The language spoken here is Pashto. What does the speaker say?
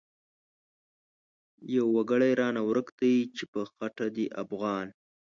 يو وګړی رانه ورک دی چی په خټه دی افغان